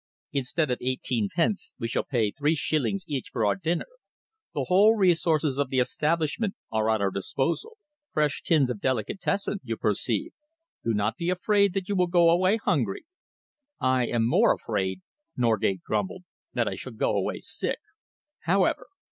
Instead of eighteen pence, we shall pay three shillings each for our dinner. The whole resources of the establishment are at our disposal. Fresh tins of delicatessen, you perceive. Do not be afraid that you will go away hungry." "I am more afraid," Norgate grumbled, "that I shall go away sick. However!"